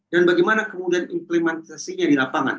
dan bagaimana kemudian implementasinya di lapangan